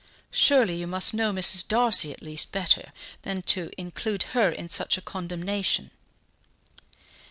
Surely you must know Mrs. Darcy, at least, better than to include her in such a condemnation?"